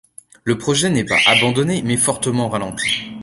Le projet n'est pas abandonné, mais fortement ralenti.